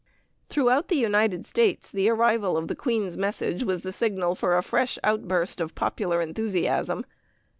Throughout the United States the arrival of the Queen's message was the signal for a fresh outburst of popular enthusiasm.